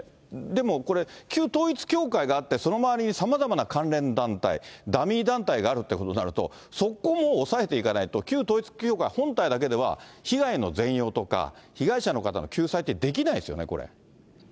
でもこれ、旧統一教会があって、その周りにさまざまな関連団体、ダミー団体があるということになると、そこも抑えていかないと、旧統一教会本体だけでは、被害の全容とか、被害者の方の救済ってできないですよね、これ。